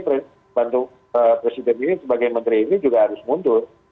pembantu presiden ini sebagai menteri ini juga harus mundur